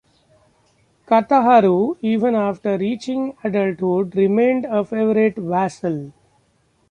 Kataharu, even after reaching adulthood, remained a favorite vassal.